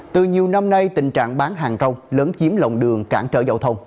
từ nhiều năm nay tình trạng bán hàng rong lớn chiếm lồng đường cản trở giao thông